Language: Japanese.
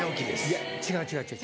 いや違う違う違う。